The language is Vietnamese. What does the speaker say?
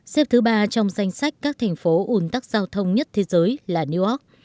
xếp thứ ba trong danh sách các thành phố ủng tắc giao thông nhất thế giới là newark